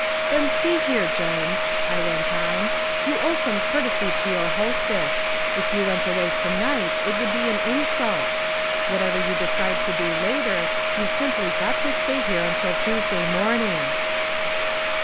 "Then, see here, Jones," I went on, "you owe some courtesy to our hostess. If you went away to night it would be an insult. Whatever you decide to do later, you've simply got to stay here till Tuesday morning!"